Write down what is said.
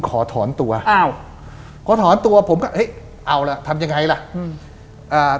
ขอถอนตัวผมก็เอ๊ะทำยังไงล่ะอืม